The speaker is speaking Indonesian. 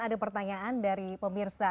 ada pertanyaan dari pemirsa